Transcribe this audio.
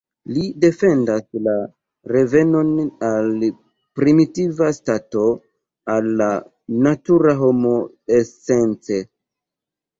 Li defendas la revenon al primitiva stato, al la natura homo esence.